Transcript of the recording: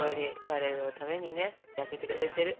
我々のためにね焼けてくれてる。